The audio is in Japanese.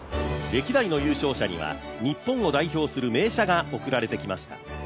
歴代の優勝者には日本を代表する名車が贈られてきました。